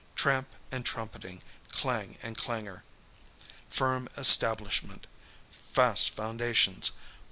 Tramp and trumpeting. Clang and clangour. Firm establishment. Fast foundations.